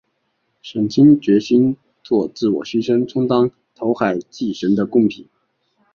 沈清决心作自我牺牲充当投海祭神的供品。